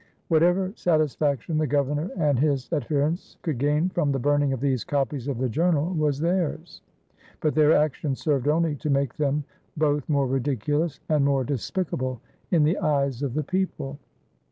Whatever satisfaction the Governor and his adherents could gain from the burning of these copies of the Journal was theirs; but their action served only to make them both more ridiculous and more despicable in the eyes of the people.